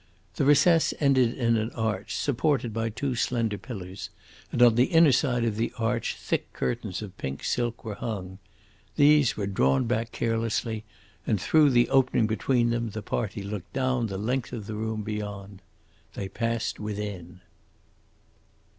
The recess ended in an arch, supported by two slender pillars, and on the inner side of the arch thick curtains of pink silk were hung. These were drawn back carelessly, and through the opening between them the party looked down the length of the room beyond. They passed within.